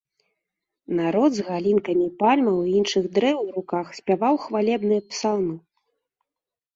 Народ з галінкамі пальмаў і іншых дрэў у руках спяваў хвалебныя псалмы.